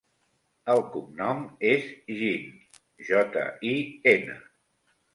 El cognom és Jin: jota, i, ena.